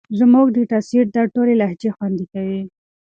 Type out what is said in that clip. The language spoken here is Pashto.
زموږ ډیټا سیټ دا ټولې لهجې خوندي کوي.